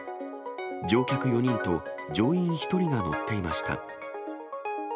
乗客４人と乗員１人が乗っていました。